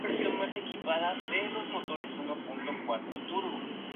Tuvo a su cargo la sección de Crítica de "La Enciclopedia moderna.